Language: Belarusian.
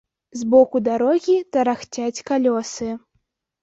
З боку дарогі тарахцяць калёсы.